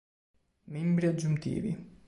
Membri aggiuntivi